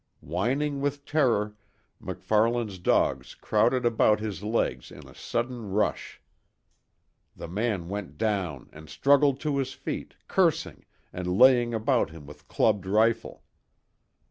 Whining with terror, MacFarlane's dogs crowded about his legs in a sudden rush. The man went down and struggled to his feet, cursing, and laying about him with clubbed rifle.